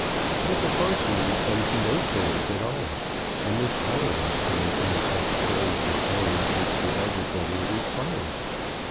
But the parson would come to no terms at all, and was powerless to make any such terms as those which the elder brother required.